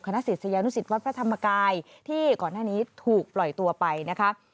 ศิษยานุสิตวัดพระธรรมกายที่ก่อนหน้านี้ถูกปล่อยตัวไปนะคะ